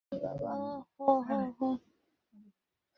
এ শালার হোটেলে আর মন টিকছে না।